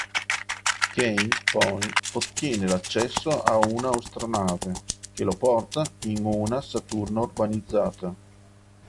Kane poi ottiene l'accesso a una astronave, che lo porta in una Saturno urbanizzata.